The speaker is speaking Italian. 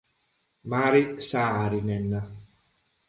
Mari Saarinen